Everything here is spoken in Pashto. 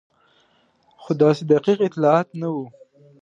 خو داسې دقیق اطلاعات نه وو.